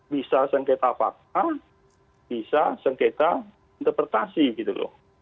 bisa sengketa fakta bisa sengketa interpretasi gitu loh